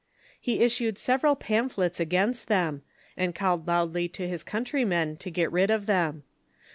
He issued several pam phlets against them, and called loudly to his countrymen to get rid of them.